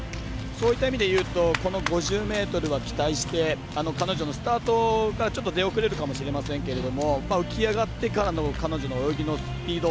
そういった意味で言うとこの５０ｍは期待して彼女のスタートが、ちょっと出遅れるかもしれませんが浮き上がってからの彼女の泳ぎのスピード。